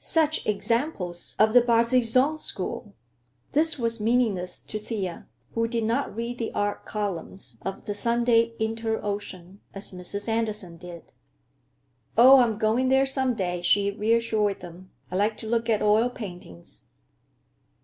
"Such examples of the Barbizon school!" This was meaningless to Thea, who did not read the art columns of the Sunday Inter Ocean as Mrs. Andersen did. "Oh, I'm going there some day," she reassured them. "I like to look at oil paintings."